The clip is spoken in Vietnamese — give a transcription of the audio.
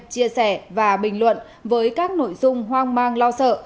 chia sẻ và bình luận với các nội dung hoang mang lo sợ